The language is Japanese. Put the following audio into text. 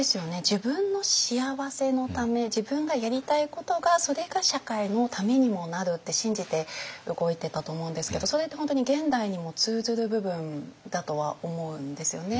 自分の幸せのため自分がやりたいことがそれが社会のためにもなるって信じて動いてたと思うんですけどそれって本当に現代にも通ずる部分だとは思うんですよね。